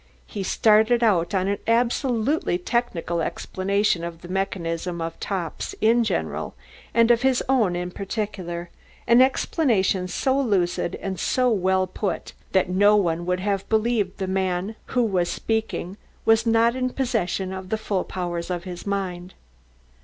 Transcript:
He started out on an absolutely technical explanation of the mechanism of tops in general and of his own in particular, an explanation so lucid and so well put that no one would have believed the man who was speaking was not in possession of the full powers of his mind.